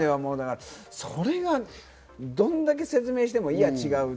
それがどんだけ説明しても違う。